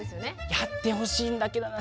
やってほしいんだけどな